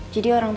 jadi orang tua